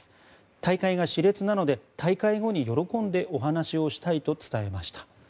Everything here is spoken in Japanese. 大会が熾烈なので大会後に喜んでお話をしたいと伝えました。